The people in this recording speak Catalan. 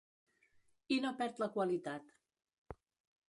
I no perd la qualitat.